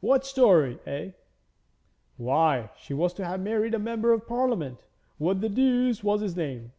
'What story, eh?' 'Why, she was to have married a Member of Parliament; what the deuce was his name?